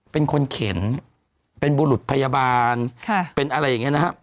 เป็นคนเข็นเป็นบุรุษพยาบาลเป็นอะไรอย่างนี้นะครับ